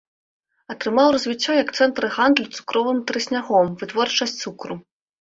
Атрымаў развіццё як цэнтр гандлю цукровым трыснягом, вытворчасць цукру.